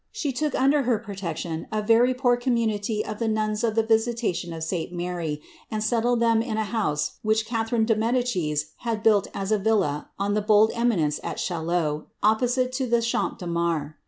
She took under her protection a very poor community of the Nuns of the Visitation of St. Mary, and settled them in a house which Catherine de Medicis had built as a villa on the bold eminence at Ghail lot, opposite to the Champ de Mars.